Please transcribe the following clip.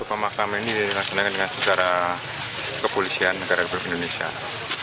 pemakaman ini dilaksanakan secara kepolisian negara negara indonesia